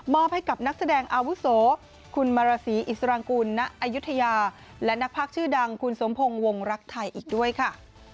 ให้กับนักแสดงอาวุโสคุณมารสีอิสรังกุลณอายุทยาและนักภาคชื่อดังคุณสมพงศ์วงรักไทยอีกด้วยค่ะ